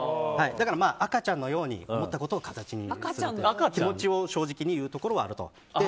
だから赤ちゃんのように思ったことを形に気持ちを正直に言うところがあると。